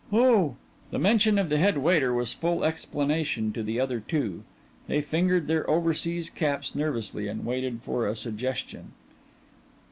"Oh." The mention of the head waiter was full explanation to the other two; they fingered their overseas caps nervously and waited for a suggestion.